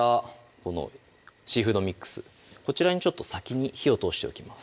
このシーフードミックスこちらにちょっと先に火を通しておきます